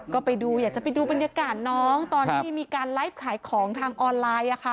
ก็ไปดูอยากจะไปดูบรรยากาศน้องตอนที่มีการไลฟ์ขายของทางออนไลน์